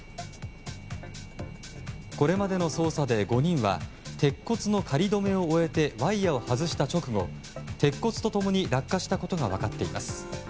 これまでの捜査で５人は鉄骨の仮止めを終えてワイヤを外した直後鉄骨と共に落下したことが分かっています。